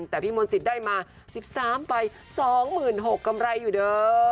แต่พี่มนต์สิทธิ์ได้มา๑๓ใบ๒๖๐๐กำไรอยู่เด้อ